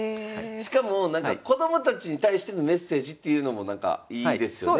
しかもこどもたちに対してのメッセージっていうのもなんかいいですよね。